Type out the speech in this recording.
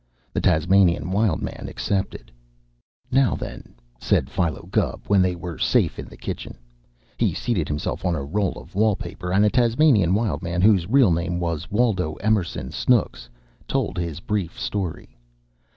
The Tasmanian Wild Man accepted. "Now, then," said Philo Gubb, when they were safe in the kitchen. He seated himself on a roll of wall paper, and the Tasmanian Wild Man, whose real name was Waldo Emerson Snooks, told his brief story.